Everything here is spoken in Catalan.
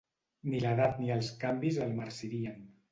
Ni l'edat ni els canvis el marcirien.